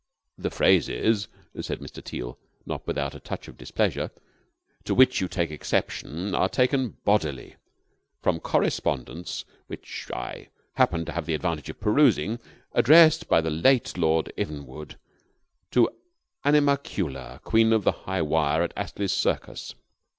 "The phrases," said Mr. Teal, not without a touch of displeasure, "to which you take exception, are taken bodily from correspondence (which I happened to have the advantage of perusing) addressed by the late Lord Evenwood to Animalcula, Queen of the High Wire at Astley's Circus.